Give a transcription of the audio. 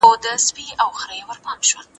سپورت د خېټې د وړولو کې مرسته کوي.